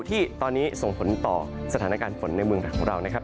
ที่ตอนนี้ส่งผลต่อสถานการณ์ฝนในเมืองไทยของเรานะครับ